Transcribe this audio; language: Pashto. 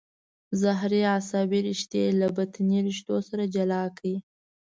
ظهري عصبي رشتې له بطني رشتو سره جلا کړئ.